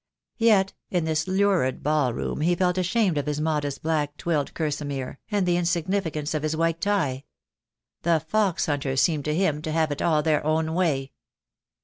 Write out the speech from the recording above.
Yet in this lurid ball room he felt ashamed of his modest black twilled kersimere, and the insignificance of his white tie. The fox hunters seemed to him to have it all their own way.